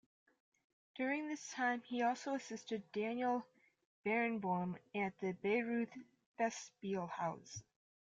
During this time he also assisted Daniel Barenboim at the Bayreuth Festspielhaus.